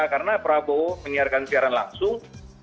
karena prabowo menyiarkan siaran langsung